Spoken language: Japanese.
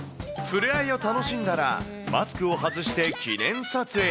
触れ合いを楽しんだら、マスクを外して、記念撮影。